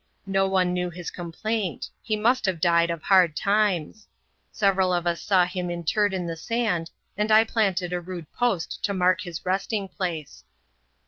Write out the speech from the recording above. No one knew his com* plaint : he must have died of hard times. Several of us saw him interred in the sand, and I planted a rude post to mark his resting place.